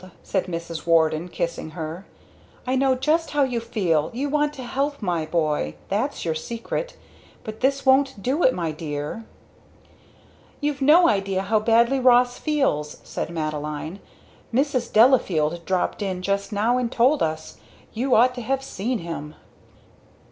said Mrs. Warden, kissing her. "I know just how you feel! You want to help my boy! That's your secret! But this won't do it, my dear!" "You've no idea how badly Ross feels!" said Madeline. "Mrs. Delafield dropped in just now and told us. You ought to have seen him!"